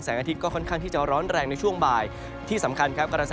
แสงอาทิตย์ค่อนที่จะร้อนแรงในช่วงบ่าย